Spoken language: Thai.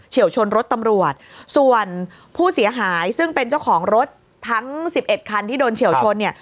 วชนรถตำรวจส่วนผู้เสียหายซึ่งเป็นเจ้าของรถทั้งสิบเอ็ดคันที่โดนเฉียวชนเนี่ย